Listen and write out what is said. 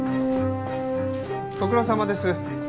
ご苦労さまです。